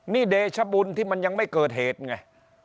นี่เดชบุญที่มันยังไม่เกิดเหตุไง